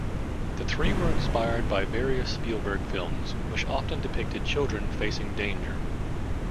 The three were inspired by various Spielberg films which often depicted children facing danger.